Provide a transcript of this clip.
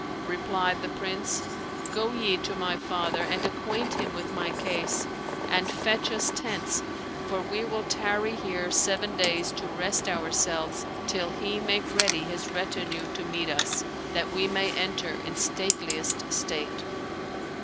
Replied the Prince, 'Go ye to my father and acquaint him with my case, and fetch us tents, for we will tarry here seven days to rest ourselves till he make ready his retinue to meet us, that we may enter in stateliest state.'"